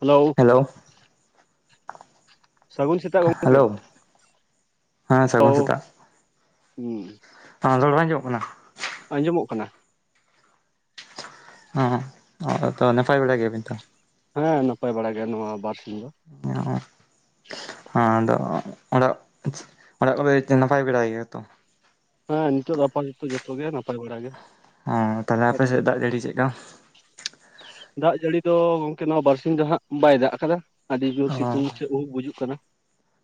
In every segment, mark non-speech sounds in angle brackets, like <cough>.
Hello hello ᱥᱟᱹᱜᱩᱱ ᱥᱮᱛᱟᱜ ᱜᱚᱝᱠᱮ ᱦᱮᱞᱳ ᱦᱮᱸ ᱥᱟᱹᱜᱩᱱ ᱦᱮᱞᱳ ᱥᱮᱛᱟᱜ ᱦᱩᱸ ᱨᱚᱲ ᱵᱟᱝ ᱟᱸᱡᱚᱢᱚᱜ ᱠᱟᱱᱟ ᱟᱸᱡᱚᱢᱚᱜ ᱠᱟᱱᱟ ᱚ ᱦᱮᱸ ᱛᱚ ᱱᱟᱯᱟᱭ ᱵᱟᱲᱟ ᱜᱮᱭᱟ ᱵᱤᱱ ᱛᱚ ᱦᱮᱸ ᱱᱟᱯᱟᱭ ᱵᱟᱲ ᱜᱮᱭᱟ ᱱᱚᱣᱟ ᱵᱟᱨᱥᱤᱧ ᱫᱚ <unintelligible> ᱦᱮᱸ ᱟᱫᱚ ᱚᱲᱟᱜ ᱚᱲᱟᱜ ᱠᱚᱨᱮ ᱱᱟᱯᱟᱭ ᱵᱟᱲᱟ ᱜᱮᱭᱟ ᱛᱚ ᱦᱮᱸ ᱱᱤᱛᱚᱜ ᱫᱚ ᱟᱯᱟ ᱛᱚᱛᱚ ᱡᱚᱛᱚ ᱜᱮ ᱱᱟᱯᱟᱭ ᱵᱟᱲᱟ ᱜᱮ ᱚᱸ ᱛᱟᱦᱚᱞᱮ ᱟᱯᱮ ᱥᱮᱫ ᱫᱟᱜ ᱡᱟᱹᱲᱤ ᱪᱮᱫ ᱠᱟ ᱫᱟᱜ ᱡᱟᱹᱲᱤ ᱫᱚ ᱜᱚᱝᱠᱮ ᱱᱚᱣᱟ ᱵᱟᱨᱥᱤᱧ ᱫᱚ ᱦᱟᱸᱜ ᱵᱟᱭ ᱫᱟᱜ ᱠᱟᱫᱟ ᱟᱹᱰᱤ ᱡᱳᱨ ᱚᱸ ᱥᱤᱛᱩᱝ <unintelligible> ᱵᱩᱡᱩᱜ ᱠᱟᱱᱟ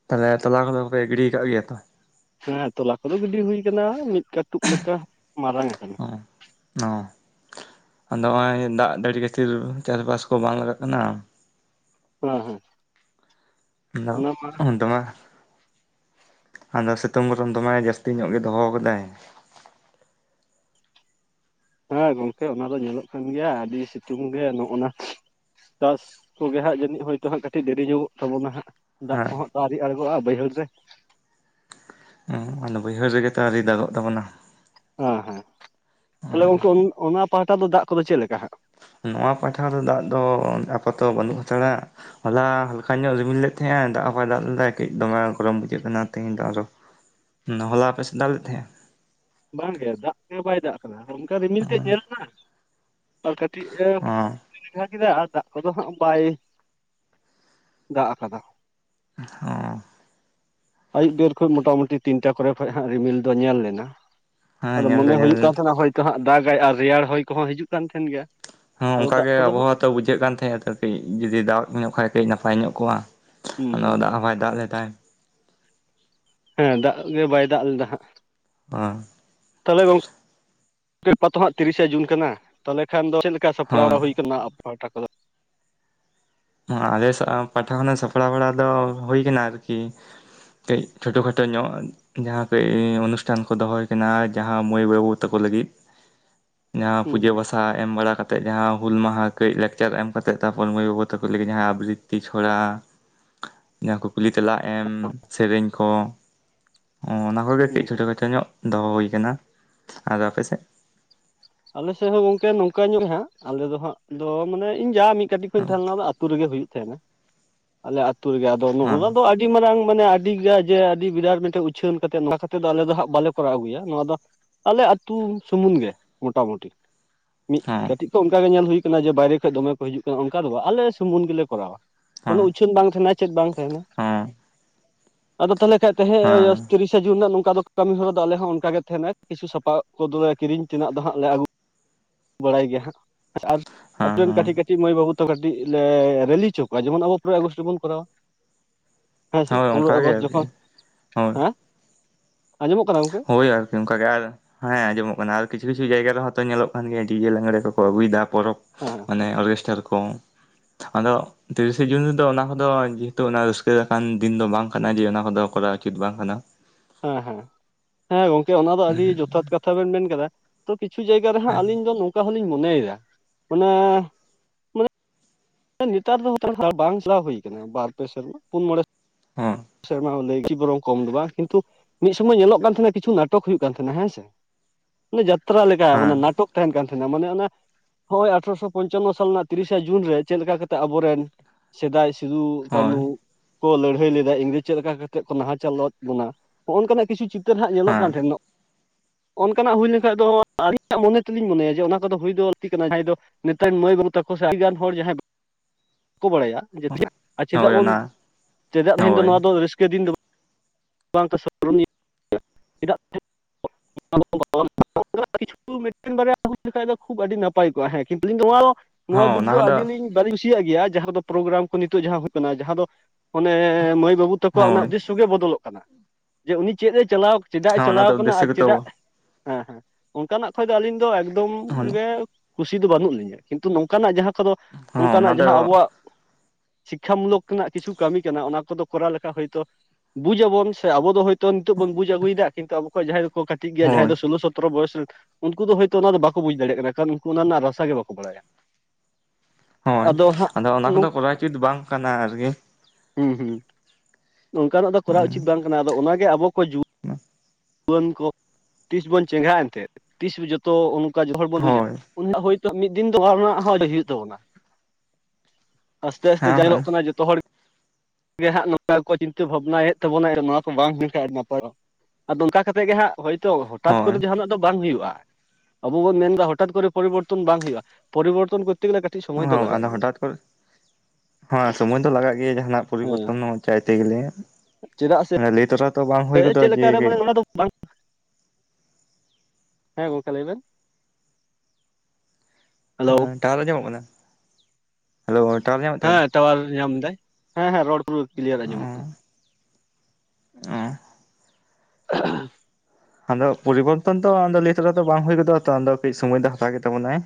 ᱛᱟᱦᱚᱞᱮ ᱛᱟᱞᱟ ᱠᱚᱫᱚ ᱯᱮ ᱜᱤᱲᱤ ᱠᱟᱫ ᱜᱮᱭᱟ ᱛᱚ ᱦᱮᱸ ᱛᱚᱞᱟ ᱠᱚᱫᱚ ᱜᱤᱰᱤ ᱦᱩᱭ ᱠᱟᱱᱟ ᱢᱤᱫ ᱠᱟᱹᱴᱩᱵ ᱞᱮᱠᱟ ᱢᱟᱨᱟᱝ ᱠᱟᱱᱟ ᱚ ᱟᱫᱚ ᱦᱚᱸᱜᱼᱚᱭ ᱫᱟᱜ ᱡᱟᱹᱲᱤ ᱠᱷᱟᱹᱛᱤᱨ ᱪᱟᱥᱵᱟᱥ ᱠᱚ ᱵᱟᱝ ᱞᱟᱜᱟᱜ ᱠᱟᱱᱟ ᱦᱮᱸ ᱦᱮᱸ ᱚᱱᱟ ᱢᱟ ᱟᱫᱚ ᱫᱚᱢᱮ ᱟᱫᱚ ᱥᱤᱛᱩᱝ ᱜᱚᱨᱚᱢ ᱫᱚᱢᱮ ᱡᱟᱹᱥᱛᱤ ᱧᱚᱜ ᱜᱮ ᱫᱚᱦᱚ ᱠᱟᱫᱟᱭ ᱦᱮᱸ ᱜᱚᱝᱠᱮ ᱚᱱᱟ ᱫᱚ ᱧᱮᱞᱚᱜ ᱠᱟᱱ ᱜᱮᱭᱟ ᱟᱹᱰᱤ ᱥᱤᱛᱩᱝ ᱜᱮ ᱱᱚᱜ ᱱᱟ ᱪᱟᱥ ᱠᱚᱜᱮ ᱦᱟᱸᱜ ᱡᱟᱹᱱᱤᱡ ᱦᱚᱭᱛᱚ ᱦᱟᱸᱜ ᱠᱟᱹᱴᱤᱡ ᱫᱮᱨᱤ ᱧᱚᱜᱚᱜ ᱛᱟᱵᱚᱱᱟ ᱦᱟᱸᱜ ᱫᱟᱜ ᱦᱮᱸ ᱠᱚᱦᱚᱸ ᱛᱚ ᱟᱨᱤ ᱟᱬᱜᱚᱜᱼᱟ ᱵᱟᱹᱭᱦᱟᱹᱲ ᱨᱮ ᱚ ᱟᱫᱚ ᱵᱟᱹᱭᱦᱟᱹᱲ ᱨᱮᱜᱮ ᱛᱚ ᱟᱹᱣᱨᱤ ᱫᱟᱜᱚᱜ ᱛᱟᱵᱚᱱᱟ ᱦᱮᱸ ᱦᱮᱸ ᱦᱚᱸ ᱛᱟᱦᱚᱞᱮ ᱜᱚᱝᱠᱮ ᱚᱱᱟ ᱯᱟᱦᱟᱴᱟ ᱫᱚ ᱫᱟᱜ ᱠᱚᱫᱚ ᱪᱮᱫ ᱞᱮᱠᱟ ᱦᱟᱜ ᱱᱚᱣᱟ ᱯᱟᱴᱷᱟ ᱨᱮ ᱫᱟᱜ ᱫᱚ ᱟᱯᱟᱛᱚ ᱵᱟᱹᱱᱩᱜ ᱦᱟᱛᱟᱲᱟ ᱦᱚᱞᱟ ᱦᱟᱞᱠᱟ ᱧᱚᱜ ᱨᱤᱢᱤᱞ ᱞᱮᱫ ᱛᱟᱦᱮᱸᱱᱟ ᱫᱟᱜ ᱦᱚᱸ ᱵᱟᱭ ᱫᱟᱜ ᱞᱮᱫᱟ ᱠᱟᱹᱡ ᱫᱚᱢᱮ ᱜᱚᱨᱚᱢ ᱵᱩᱡᱷᱟᱹᱜ ᱠᱟᱱᱟ ᱛᱮᱦᱤᱧ ᱫᱚ ᱟᱨᱚ ᱦᱚᱞᱟ ᱟᱯᱮ ᱥᱮᱫ ᱫᱟᱜ ᱞᱮᱫ ᱛᱟᱦᱮᱫ ᱮ ᱵᱟᱝ ᱜᱮ ᱫᱟᱜ ᱜᱮ ᱵᱟᱭ ᱫᱟᱜ ᱠᱟᱫᱟ ᱚᱱᱠᱟ ᱨᱤᱢᱤᱞ ᱛᱮᱜ ᱧᱮᱞᱱᱟ ᱟᱨ ᱠᱟᱹᱴᱤᱡ ᱮ ᱚᱸ <inaudible> ᱠᱮᱫᱟ ᱟᱨ ᱫᱟᱜ ᱠᱚᱫᱚ ᱦᱟᱸᱜ ᱵᱟᱭ ᱫᱟᱜ ᱠᱟᱫᱟ ᱦᱚᱸ ᱟᱹᱭᱩᱵ ᱵᱮᱨ ᱠᱷᱚᱡ ᱢᱚᱴᱟᱢᱩᱴᱤ ᱛᱤᱱᱴᱟ ᱠᱚᱨᱮ ᱠᱷᱚᱡ ᱦᱟᱸᱜ ᱨᱤᱢᱤᱞ ᱫᱚ ᱧᱮᱞ ᱞᱮᱱᱟ ᱦᱮᱸ ᱟᱫᱚ ᱧᱮᱞ ᱫᱚ ᱢᱚᱱᱮ ᱧᱮᱞ ᱦᱩᱭᱩᱜ ᱠᱟᱱ ᱛᱟᱦᱮᱱᱟ ᱦᱳᱭᱛᱳ ᱦᱟᱸᱜ ᱫᱟᱜᱟᱭ ᱟᱨ ᱨᱮᱭᱟᱲ ᱦᱚᱭ ᱠᱚᱦᱚᱸ ᱦᱤᱡᱩᱜ ᱠᱟᱱ ᱛᱟᱦᱮᱱ ᱜᱮᱭᱟ ᱦᱚᱸ ᱟᱫᱚ ᱫᱟᱜ ᱚᱱᱠᱟᱜᱮ ᱠᱚᱫᱚ ᱦᱟᱸᱜ ᱟᱵᱚᱦᱟᱣᱟ ᱛᱚ ᱵᱩᱡᱷᱟᱹᱜ ᱠᱟᱱ ᱛᱟᱦᱮᱸᱱᱟ ᱛᱚ ᱠᱟᱹᱡ ᱡᱩᱫᱤ ᱫᱟᱜ ᱧᱚᱜ ᱠᱷᱟᱡ ᱠᱟᱹᱡ ᱱᱟᱯᱟᱭ ᱧᱚᱜ ᱠᱚᱜ-ᱟ᱾ ᱦᱩᱸ ᱟᱫᱚ ᱦᱩᱸ ᱫᱟᱜ ᱦᱩᱸ ᱦᱚᱸ ᱵᱟᱭ ᱫᱟᱜ ᱞᱮᱫ ᱫᱟᱭ᱾ ᱦᱮᱸ ᱫᱟᱜ ᱜᱮ ᱵᱟᱭ ᱫᱟᱜ ᱞᱮᱫᱟ ᱦᱟᱸᱜ᱾ ᱟᱸ ᱛᱟᱦᱚᱞᱮ ᱜᱚᱝᱠᱮ ᱜᱟᱯᱟ ᱛᱚ ᱦᱟᱸᱜ ᱛᱤᱨᱤᱥᱮ ᱡᱩᱱ ᱠᱟᱱᱟ? ᱛᱟᱦᱚᱞᱮ ᱠᱷᱟᱱ ᱫᱚ ᱪᱮᱫ ᱞᱮᱠᱟ ᱥᱟᱯᱲᱟᱣ ᱦᱳᱭ ᱦᱩᱭ ᱟᱠᱟᱱᱟ ᱟᱵᱚ ᱯᱟᱦᱴᱟ ᱠᱚᱫᱚ᱾ ᱟᱞᱮ ᱯᱟᱦᱴᱟ ᱠᱷᱚᱱᱟᱜ ᱥᱟᱯᱲᱟᱣ ᱵᱟᱲᱟ ᱫᱚ ᱦᱩᱭ ᱠᱟᱱᱟ ᱟᱨᱠᱤ ᱠᱟᱹᱡ ᱪᱷᱳᱴᱳ ᱠᱷᱟᱴᱳ ᱧᱚᱜ᱾ ᱡᱟᱦᱟᱸ ᱠᱟᱹᱡ ᱚᱱᱩᱥᱴᱷᱟᱱ ᱠᱚ ᱫᱚᱦᱚ ᱦᱩᱭ ᱠᱟᱱᱟ ᱡᱟᱦᱟᱸ ᱢᱟᱹᱭ ᱵᱟᱹᱵᱩ ᱛᱟᱠᱚ ᱞᱟᱹᱜᱤᱫ <inaudible> ᱡᱟᱦᱟᱸ ᱦᱩᱸ ᱯᱩᱡᱟᱹ ᱦᱩᱸ ᱵᱟᱥᱟ ᱮᱢ ᱵᱟᱲᱟ ᱠᱟᱛᱮᱜ ᱡᱟᱦᱟᱸ ᱦᱩᱞ ᱢᱟᱦᱟ ᱠᱟᱹᱡ ᱞᱟᱠᱪᱟᱨ ᱮᱢ ᱠᱟᱛᱮᱜ ᱛᱟᱨᱯᱚᱨ ᱢᱟᱹᱭ ᱵᱟᱹᱵᱩ ᱛᱟ ᱠᱚ ᱞᱟᱹᱜᱤᱫ ᱡᱟᱦᱟᱸ ᱟᱵᱨᱤᱛᱤ ᱪᱷᱚᱲᱟ᱾ ᱡᱟᱦᱟᱸ ᱠᱩᱠᱞᱤ ᱛᱮᱞᱟ ᱮᱢ ᱥᱮᱨᱮᱧ ᱠᱚ᱾ ᱚ ᱚᱱᱟ ᱠᱚᱜᱮ ᱦᱩᱸ ᱠᱟᱹᱡ ᱦᱩᱸ ᱪᱷᱳᱴᱳ ᱠᱷᱟᱴᱚ ᱧᱚᱜ ᱫᱚᱦᱚ ᱦᱩᱭ ᱠᱟᱱᱟ ᱟᱫᱚ ᱟᱯᱮᱥᱮᱫ ᱟᱞᱮ ᱥᱮᱫ ᱦᱚᱸ ᱜᱚᱝᱠᱮ ᱱᱚᱝᱠᱟ ᱧᱚᱜ ᱜᱮ ᱦᱟᱸᱜ ᱟᱞᱮ ᱫᱚ ᱦᱟᱸᱜ ᱫᱚ ᱢᱟᱱᱮ ᱤᱧ ᱡᱟ ᱢᱤᱫ ᱠᱟᱹᱴᱤᱡ ᱠᱷᱚᱡ ᱦᱮᱸ ᱛᱟᱦᱮᱸ ᱞᱮᱱᱟ ᱚᱱᱟ ᱫᱚ ᱟᱛᱩ ᱨᱮᱜᱮ ᱦᱩᱭᱩᱜ ᱛᱟᱦᱮᱱᱟ᱾ ᱟᱞᱮ ᱟᱹᱛᱩ ᱨᱮᱜᱮ ᱟᱫᱚ ᱦᱮᱸ ᱫᱚ ᱟᱹᱰᱤ ᱟᱹᱰᱤ ᱢᱟᱨᱟᱝ ᱢᱟᱱᱮ ᱟᱹᱰᱤ ᱡᱮ ᱟᱹᱰᱤ ᱵᱤᱨᱟᱴ ᱢᱤᱫᱴᱮᱱ ᱩᱪᱷᱟᱹᱱ ᱠᱟᱛᱮᱫ ᱚᱱᱠᱟ ᱠᱟᱛᱮ ᱫᱚ ᱟᱞᱮ ᱫᱚ ᱦᱟᱸᱜ ᱵᱟᱞᱮ ᱠᱚᱨᱟᱣ ᱜᱮᱭᱟ ᱱᱚᱣᱟ ᱫᱚ ᱟᱞᱮ ᱟᱹᱛᱩ ᱥᱩᱢᱩᱝ ᱜᱮ ᱢᱚᱴᱟᱢᱩᱴᱤ ᱢᱤᱫ ᱦᱮᱸ ᱠᱟᱹᱴᱤᱡ ᱚᱱᱠᱟ ᱜᱮ ᱧᱮᱞ ᱦᱩᱭ ᱠᱟᱱᱟ ᱡᱮ ᱵᱟᱭᱨᱮ ᱠᱷᱚᱱ ᱫᱚᱢᱮ ᱠᱚ ᱦᱤᱡᱩᱜ ᱠᱟᱱᱟ ᱚᱱᱠᱟ ᱫᱚ ᱵᱟᱝ ᱟᱞᱮ ᱥᱩᱢᱩᱝ ᱜᱮᱞᱮ ᱠᱚᱨᱟᱣᱟ᱾ ᱦᱮᱸ ᱠᱳᱱᱳ ᱩᱪᱷᱟᱹᱱ ᱵᱟᱝ ᱛᱟᱦᱮᱱᱟ ᱪᱮᱫ ᱵᱟᱝ ᱛᱟᱦᱮᱱᱟ ᱦᱮᱸ ᱟᱫᱚ ᱛᱟᱦᱚᱞᱮ ᱠᱷᱟᱡ <unintelligible> ᱛᱤᱨᱤᱥ ᱥᱮ ᱡᱩᱱ ᱨᱮᱱᱟᱜ ᱱᱚᱝᱠᱟ ᱫᱚ ᱠᱟᱹᱢᱤ ᱦᱚᱨᱟ ᱫᱚ ᱟᱞᱮ ᱦᱚᱸ ᱚᱱᱠᱟ ᱜᱮ ᱛᱟᱦᱮᱱᱟ ᱠᱤᱪᱷᱩ ᱥᱟᱯᱟᱯ ᱠᱚᱫᱚ ᱠᱤᱨᱤᱧ ᱛᱮᱱᱟᱜ ᱫᱚ ᱦᱟᱜ ᱞᱮ ᱟᱹᱜᱩ ᱵᱟᱲᱟᱭ ᱜᱮᱭᱟ ᱦᱟᱸᱜ ᱦᱮᱸ ᱟᱨᱛᱳ ᱨᱮᱱ ᱦᱮᱸ ᱠᱟᱹᱴᱤᱡ ᱠᱟᱹᱴᱤᱡ ᱠᱟᱹᱴᱤᱡ ᱢᱟᱹᱭ ᱵᱟᱹᱵᱩ ᱛᱟᱠᱚ ᱠᱟᱹᱤᱡ ᱞᱮ ᱨᱮᱞᱤ ᱪᱚ ᱠᱚᱣᱟ ᱡᱮᱢᱚᱱ ᱟᱵᱚ ᱯᱚᱱᱨᱳᱭ ᱟᱜᱚᱥᱴ ᱨᱮᱵᱚᱱ ᱠᱚᱨᱟᱣᱟ᱾ ᱦᱮᱸ ᱥᱮ ᱦᱳᱭ ᱯᱚᱱᱮᱨᱚᱭ ᱚᱱᱠᱟᱜᱮ ᱟᱜᱚᱥᱴ ᱟᱨᱠᱤ ᱡᱚᱠᱷᱚᱱ ᱦᱳᱭ ᱦᱮᱸ, ᱟᱸᱡᱚᱢᱚᱜ ᱠᱟᱱᱟ ᱜᱚᱝᱠᱮ ᱦᱳᱭ ᱟᱨᱠᱤ ᱚᱱᱠᱟ ᱜᱮ ᱟᱨ ᱦᱮᱸ ᱟᱸᱡᱚᱢᱚᱜ ᱠᱟᱱᱟ ᱟᱨ ᱠᱤᱪᱷᱩ ᱠᱤᱪᱷᱩ ᱡᱟᱭᱜᱟ ᱨᱮ ᱦᱚᱛᱚ ᱧᱮᱞᱚᱜ ᱠᱟᱱ ᱜᱮᱭᱟ ᱰᱤᱡᱮ ᱞᱟᱜᱽᱲᱮ ᱠᱚᱠᱚ ᱟᱹᱜᱩᱭᱮᱫᱟ ᱯᱚᱨᱚᱵᱽ ᱮᱸ ᱢᱟᱱᱮ ᱚᱨᱜᱮᱥᱴᱟᱨ ᱠᱚ ᱟᱫᱚ, ᱛᱤᱨᱤᱥᱮ ᱡᱩᱱ ᱨᱮᱫᱚ ᱚᱱᱟ ᱠᱚᱫᱚ ᱡᱮᱦᱮᱛᱩ ᱚᱱᱟ ᱨᱟᱹᱥᱠᱟᱹ ᱞᱮᱠᱟᱱ ᱫᱤᱱ ᱫᱚ ᱵᱟᱝ ᱠᱟᱱᱟ ᱡᱮ ᱚᱱᱟ ᱠᱚᱫᱚ ᱠᱚᱨᱟᱣ ᱩᱪᱤᱛ ᱵᱟᱝ ᱠᱟᱱᱟ᱾ ᱦᱮᱸ ᱦᱮᱸ, ᱦᱮᱸ ᱜᱚᱝᱠᱮ ᱚᱱᱟ ᱫᱚ ᱟᱹᱰᱤ ᱦᱚᱸ ᱡᱚᱛᱷᱟᱛ ᱠᱟᱛᱷᱟ ᱵᱮᱱ ᱢᱮᱱ ᱠᱮᱫᱟ᱾ ᱛᱚ ᱠᱤᱪᱷᱩ ᱡᱟᱭᱜᱟ ᱨᱮᱦᱟᱸᱜ ᱦᱮᱸ ᱟᱞᱤᱧ ᱫᱚ ᱱᱚᱝᱠᱟ ᱦᱚᱞᱤᱧ ᱢᱚᱱᱮᱭᱮᱫᱟ ᱢᱟᱱᱮ ᱢᱟᱱᱮ ᱱᱮᱛᱟᱨ ᱫᱚ ᱵᱟᱝ ᱪᱟᱞᱟᱣ ᱦᱩᱭ ᱠᱟᱱᱟ ᱵᱟᱨ ᱯᱮ ᱥᱮᱨᱢᱟ ᱯᱩᱱ ᱢᱚᱬᱮ ᱦᱮᱸ ᱥᱮᱨᱢᱟ ᱞᱟᱹᱭᱠᱤ ᱵᱚᱨᱚᱝ ᱠᱚᱢ ᱫᱚ ᱵᱟᱝ ᱠᱤᱱᱛᱩ ᱢᱤᱫ ᱥᱚᱢᱚᱭ ᱧᱮᱞᱚᱜ ᱠᱟᱱ ᱛᱟᱦᱮᱸᱱᱟ ᱠᱤᱪᱷᱩ ᱱᱟᱴᱚᱠ ᱦᱩᱭᱩᱜ ᱠᱟᱱ ᱛᱟᱦᱮᱸᱱᱟ ᱦᱮᱸ ᱥᱮ᱾ ᱡᱟᱛᱨᱟ ᱞᱮᱠᱟ ᱚᱱᱟ ᱦᱮᱸ ᱱᱟᱴᱚᱠ ᱛᱟᱦᱮᱱ ᱠᱟᱱ ᱛᱟᱦᱮᱱᱟ ᱢᱟᱱᱮ ᱚᱱᱟ ᱱᱚᱭ ᱟᱴᱷᱚᱨᱚᱥᱚ ᱯᱚᱧᱪᱟᱱᱱᱚ ᱥᱟᱞ ᱨᱮᱱᱟᱜ ᱛᱤᱨᱤᱥᱟ ᱡᱩᱱ ᱨᱮ ᱪᱮᱫ ᱞᱮᱠᱟ ᱠᱟᱛᱮ ᱟᱵᱚᱨᱮᱱ ᱥᱮᱫᱟᱭ ᱥᱤᱫᱩ ᱠᱟᱹᱱᱩ ᱠᱚ ᱞᱟᱹᱲᱦᱟᱹᱭ ᱞᱮᱱ ᱤᱝᱨᱮᱡ ᱪᱮᱫ ᱞᱮᱠᱟ ᱠᱟᱛᱮᱫ ᱠᱚ ᱱᱟᱦᱟᱪᱟᱞᱮᱫ ᱵᱚᱱᱟ ᱱᱚᱜ-ᱚ ᱱᱚᱝᱠᱟᱱᱟᱜ ᱠᱤᱪᱷᱩ ᱪᱤᱛᱟᱹᱨ ᱦᱟᱸᱜ ᱧᱮᱞᱚᱜ ᱠᱟᱱ ᱛᱟᱦᱮᱱᱟ ᱾ ᱚᱱᱠᱟᱱᱟᱜ ᱦᱩᱭ ᱞᱮᱱᱠᱷᱟᱱ ᱫᱚ ᱟᱹᱞᱤᱧᱟᱜ ᱢᱚᱱᱮ ᱛᱮᱞᱤᱧ ᱢᱚᱱᱮᱭᱟ ᱡᱮ ᱚᱱᱟ ᱠᱚᱫᱚ ᱦᱩᱭ ᱫᱚ ᱞᱟᱠᱛᱤ ᱠᱟᱱᱟ ᱡᱟᱦᱟᱸᱭ ᱫᱚ ᱱᱮᱛᱟᱨ ᱢᱟᱹᱭ ᱵᱟᱹᱵᱩ ᱛᱟᱠᱚ ᱥᱮ ᱟᱹᱰᱤᱜᱟᱱ ᱦᱚᱲ ᱡᱟᱦᱟᱸᱭ ᱵᱟᱠᱚ ᱵᱟᱲᱟᱭᱟ ᱪᱮᱫᱟᱜ ᱦᱳᱭ ᱵᱚᱱ ᱚᱱᱟ ᱪᱮᱫᱟᱜ ᱛᱮᱦᱮᱧ ᱫᱚ ᱦᱳᱭ ᱱᱚᱣᱟ ᱫᱚ ᱨᱟᱹᱥᱠᱟᱹ ᱫᱤᱱ ᱫᱚ ᱵᱟᱝ <unintelligible> ᱩᱱᱚᱜ ᱠᱤᱪᱷᱩ ᱢᱤᱫᱴᱮᱱ ᱵᱟᱨᱭᱟ ᱦᱩᱭ ᱞᱮᱠᱷᱟᱱ ᱫᱚ ᱠᱷᱩᱵ ᱟᱹᱰᱤ ᱱᱟᱯᱟᱭ ᱠᱚᱜ-ᱟ ᱦᱮᱸ ᱠᱤᱱᱛᱩ ᱤᱧ ᱱᱚᱣᱟ ᱱᱚᱣᱟ ᱦᱚᱸ ᱵᱤᱫ ᱚᱱᱟ ᱫᱚ ᱠᱚᱫᱚ ᱟᱹᱰᱤ ᱞᱤᱧ ᱵᱟᱞᱤᱧ ᱠᱩᱥᱤᱭᱟᱜ ᱜᱮᱭᱟ ᱡᱟᱦᱟᱸ ᱫᱚ ᱯᱨᱳᱜᱨᱟᱢ ᱠᱚ ᱱᱤᱛᱚᱜ ᱡᱟᱦᱟᱸ ᱦᱩᱭᱩᱜ ᱠᱟᱱᱟ ᱡᱟᱦᱟᱸ ᱫᱚ ᱚᱱᱮ ᱵᱟᱹᱵᱩ ᱛᱟᱠᱚᱣᱟᱜ ᱚᱱᱟ ᱦᱳᱭ ᱩᱫᱽᱫᱤᱥᱚ ᱜᱮ ᱵᱚᱫᱚᱞᱚᱜ ᱠᱟᱱᱟ᱾ ᱡᱮ ᱩᱱᱤ ᱪᱮᱫ ᱮ ᱪᱟᱞᱟᱣ- ᱪᱮᱫᱟᱜ ᱮ ᱦᱚᱸ ᱚᱱᱟ ᱪᱟᱞᱟᱣ ᱫᱚ ᱠᱟᱱᱟ ᱩᱫᱽᱫᱮᱥᱥᱚ ᱟᱨ ᱜᱮᱛᱚ ᱪᱮᱫᱟᱜ ᱦᱮᱸ ᱦᱮᱸ ᱚᱱᱠᱟᱱᱟᱜ ᱠᱷᱚᱱ ᱫᱚ ᱟᱹᱞᱤᱧ ᱫᱚ ᱮᱠᱫᱚᱢ ᱦᱚᱸ ᱜᱮ ᱠᱩᱥᱤ ᱫᱚ ᱵᱟᱹᱱᱩᱜ ᱞᱤᱧᱟ᱾ ᱠᱤᱱᱛᱩ ᱱᱚᱝᱠᱟ ᱱᱟᱜ ᱡᱟᱦᱟᱸ <unintelligible> ᱫᱚ ᱚᱱᱟ ᱚᱱᱠᱟᱱᱟᱜ ᱫᱚ ᱡᱟᱦᱟᱸ ᱟᱵᱚᱣᱟᱜ ᱥᱤᱠᱠᱷᱟ ᱢᱩᱞᱞᱚᱠ ᱨᱮᱱᱟᱜ ᱠᱤᱪᱷᱩ ᱠᱟᱹᱢᱤ ᱠᱟᱱᱟ ᱚᱱᱟ ᱠᱚᱫᱚ ᱠᱚᱨᱟᱣ ᱞᱮᱠᱷᱟᱡ ᱦᱳᱭᱛᱳ ᱵᱩᱡ ᱟᱵᱚᱱ ᱥᱮ ᱟᱵᱚ ᱫᱚ ᱦᱚᱭᱛᱚ ᱱᱤᱛᱚᱜ ᱵᱚᱱ ᱵᱩᱡᱽ ᱟᱹᱜᱩᱭᱮᱫᱟ ᱠᱤᱱᱛᱩ ᱟᱵᱚ ᱡᱟᱦᱟᱸᱭ ᱫᱚ ᱠᱚ ᱠᱟᱹᱴᱤᱡ ᱜᱮᱭᱟ ᱡᱟᱦᱟᱸᱭ ᱦᱳᱭ ᱫᱚ ᱥᱳᱞᱳ ᱥᱚ ᱥᱟᱛᱨᱚ ᱵᱚᱭᱚᱥ ᱨᱮᱱ ᱩᱱᱠᱩ ᱫᱚ ᱦᱳᱭᱛᱚ ᱚᱱᱟ ᱫᱚ ᱵᱟᱠᱚ ᱵᱩᱡᱽ ᱫᱟᱲᱮᱭᱟᱜ ᱠᱟᱱᱟ ᱠᱟᱨᱚᱱ ᱩᱱᱠᱩ ᱚᱱᱟ ᱨᱮᱱᱟᱜ ᱨᱟᱥᱟ ᱵᱟᱠᱚ ᱵᱟᱲᱟᱭᱟ᱾ ᱦᱳᱭ ᱟᱫᱚ ᱚᱱᱟ ᱠᱚᱱᱫᱚ ᱠᱚᱨᱟᱭ ᱩᱪᱤᱛ ᱵᱟᱝ ᱠᱟᱱᱟ ᱟᱨᱠᱤ᱾ ᱦᱩᱸ ᱦᱩᱸ ᱱᱚᱝᱠᱟᱱᱟᱜ ᱫᱚ ᱠᱚᱨᱟᱣ ᱩᱪᱤᱛ ᱵᱟᱝ ᱠᱟᱱᱟ ᱟᱫᱚ ᱚᱱᱟᱜᱮ ᱟᱵᱚ ᱠᱚ ᱡᱩ ᱡᱩᱣᱟᱹᱱ ᱠᱚ ᱛᱤᱥ ᱵᱚᱱ ᱪᱮᱸᱜᱷᱟᱜ-ᱟ ᱮᱱᱛᱮᱫ᱾ ᱛᱤᱥ ᱡᱷᱚᱛᱚ ᱚᱱᱠᱟ ᱡᱷᱚᱛᱚ ᱦᱚᱲ ᱵᱚᱱ ᱵᱩᱡᱟ ᱦᱳᱭ <unintelligible> ᱦᱳᱭ᱾ ᱢᱤᱫ ᱫᱤᱱ ᱫᱚ <unintelligible> ᱨᱮᱱᱟᱜ ᱦᱚᱸ ᱞᱟᱹᱭ ᱦᱩᱭᱩᱜ ᱛᱟᱵᱚᱱᱟ᱾ ᱟᱥᱛᱮ ᱟᱥᱛᱮ ᱦᱮᱸ ᱧᱮᱞᱚᱜ ᱠᱟᱱᱟ ᱡᱚᱛ <unintelligible> ᱜᱮ ᱦᱟᱸᱜ ᱱᱚᱣᱟ ᱠᱚ ᱪᱤᱱᱛᱟᱹ ᱵᱷᱟᱵᱽᱱᱟᱭᱮᱫ ᱛᱟᱵᱚᱱᱟ᱾ ᱱᱚᱣᱟ ᱠᱚ ᱵᱟᱝ ᱦᱩᱭ ᱞᱮᱱᱠᱷᱟᱱ ᱟᱹᱰᱤ ᱱᱟᱯᱟᱭᱚᱜᱼᱟ᱾ ᱟᱫᱚ ᱚᱱᱠᱟ ᱠᱟᱛᱮᱜ ᱜᱮ ᱦᱟᱸᱜ ᱦᱳᱭᱛᱳ ᱦᱚᱴᱟᱛ ᱠᱚᱨᱮ ᱦᱳᱭ ᱡᱟᱦᱟᱱᱟᱜ ᱵᱟᱝ ᱦᱩᱭᱩᱜᱼᱟ᱾ ᱟᱵᱚ ᱵᱚᱱ ᱢᱮᱱᱫᱟ ᱦᱚᱴᱟᱛ ᱠᱚᱨᱮ ᱯᱚᱨᱤᱵᱚᱨᱛᱚᱱ ᱵᱟᱝ ᱦᱩᱭᱩᱜᱼᱟ, ᱯᱚᱨᱤᱵᱚᱨᱛᱚᱱ ᱠᱚᱨᱛᱮ ᱜᱮᱞᱮ ᱠᱟᱹᱴᱤᱡ ᱥᱚᱢᱚᱭ ᱫᱚ ᱦᱳ ᱞᱟᱜᱟᱜ ᱟᱫᱚ ᱜᱮᱭᱟ ᱦᱚᱴᱟᱛ ᱠᱚᱨᱮ ᱦᱮᱸ ᱥᱚᱢᱚᱭ ᱫᱚ ᱞᱟᱜᱟᱜ ᱜᱮᱭᱟ ᱡᱟᱦᱟᱱᱟᱜ ᱦᱮᱸ ᱯᱚᱨᱤᱵᱚᱨᱛᱚᱱ ᱦᱚᱸ ᱪᱟᱭᱛᱮ ᱜᱮᱞᱮ᱾ ᱪᱮᱫᱟᱜ ᱥᱮ ᱞᱟᱹᱭ ᱛᱚᱨᱟ ᱛᱚ ᱵᱟᱝ ᱦᱩᱭ ᱪᱮᱫ ᱜᱚᱫᱚᱜᱼᱟ ᱡᱮ ᱞᱮᱠᱟᱨᱮ ᱜᱮ ᱢᱟᱱᱮ ᱚᱱᱟ ᱫᱚ ᱵᱟᱝ ᱦᱮᱸ ᱜᱚᱢᱠᱮ ᱞᱟᱹᱭᱵᱮᱱ᱾ ᱦᱮᱞᱳ ᱦᱮᱸ ᱴᱟᱣᱟᱨ ᱟᱡᱚᱢᱚᱜ ᱠᱟᱱᱟ? ᱦᱮᱞᱳ ᱴᱟᱣᱟᱨ ᱧᱟᱢᱮᱫ ᱛᱟᱵᱮᱱᱟ? ᱦᱮᱸ ᱴᱟᱣᱟᱨ ᱧᱟᱢ ᱫᱟᱭ ᱦᱮᱸ ᱦᱮᱸ ᱨᱚᱲ ᱯᱩᱨᱟᱹ ᱠᱤᱞᱭᱟᱨ ᱟᱸᱡᱚᱢᱚᱜ ᱚ ᱠᱟᱱᱟ᱾ ᱚ᱾ <unintelligible> ᱟᱫᱚ ᱯᱚᱨᱤᱵᱚᱨᱛᱚᱱ ᱫᱚ ᱚᱱᱟᱫᱚ ᱞᱟᱹᱭ ᱛᱮᱨᱟ ᱫᱚ ᱵᱟᱝ ᱦᱩᱭ ᱜᱚᱫᱚᱜ-ᱟ ᱛᱚ ᱟᱫᱚ ᱠᱟᱹᱡ ᱥᱳᱢᱚᱭ ᱫᱚ ᱦᱟᱛᱟᱣ ᱜᱮ ᱛᱟᱵᱚᱱᱟᱭ᱾